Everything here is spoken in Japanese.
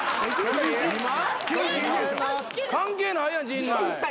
関係ないやん陣内。